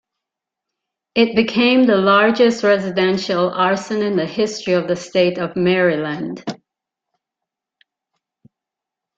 It became the largest residential arson in the history of the state of Maryland.